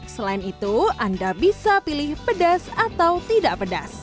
selain itu anda bisa pilih pedas atau tidak pedas